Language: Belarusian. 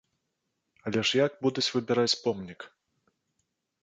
Але ж як будуць выбіраць помнік?